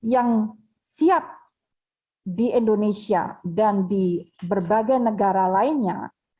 yang siap di indonesia dan di berbagai negara lainnya